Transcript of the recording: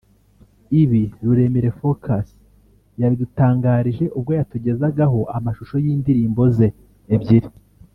Ibi Ruremire Focus yabidutangarije ubwo yatugezagaho amashusho y’indirimbo ze ebyiri